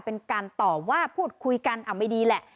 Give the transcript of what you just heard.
เป็นการตอบว่าพูดคุยกันไม่ดีแหละ